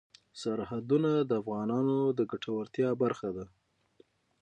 سرحدونه د افغانانو د ګټورتیا برخه ده.